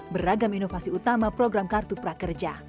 beragam inovasi utama program kartu prakerja